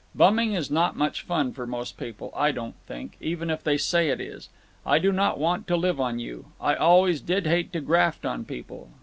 Bumming is not much fun for most people, I don't think, even if they say it is. I do not want to live on you. I always did hate to graft on people.